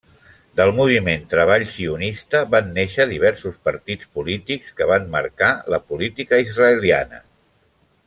Del moviment Treball sionista van néixer diversos partits polítics que van marcar la política israeliana.